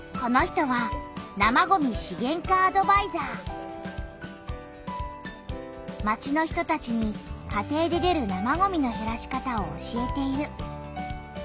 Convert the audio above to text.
この人は町の人たちに家庭で出る生ごみのへらし方を教えている。